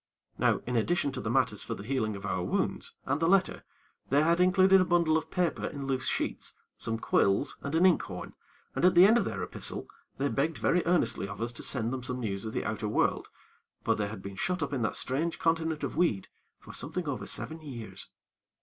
Now, in addition to the matters for the healing of our wounds, and the letter, they had included a bundle of paper in loose sheets, some quills and an inkhorn, and at the end of their epistle, they begged very earnestly of us to send them some news of the outer world; for they had been shut up in that strange continent of weed for something over seven years.